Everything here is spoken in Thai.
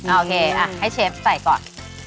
โอเคให้เชฟใส่ก่อน